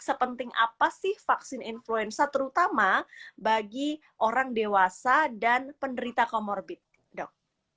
sepenting apa sih vaksin influenza terutama bagi orang dewasa dan penderita comorbid dok